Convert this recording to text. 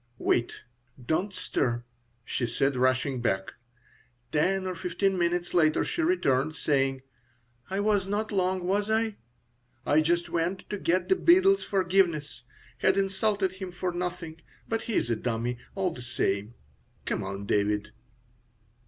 "Wait. Don't stir," she said, rushing back. Ten or fifteen minutes later she returned, saying: "I was not long, was I? I just went to get the beadle's forgiveness. Had insulted him for nothing. But he's a dummy, all the same. Come on, David."